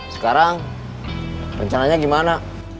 sekarang rencananya gimana